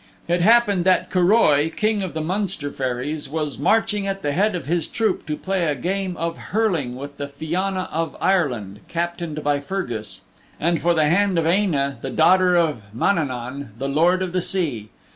It happened that Curoi, King of the Munster Fairies, was marching at the head of his troop to play a game of hurling with the Fianna of Ireland, captained by Fergus, and for the hand of Aine', the daughter of Mananaun, the Lord of the Sea.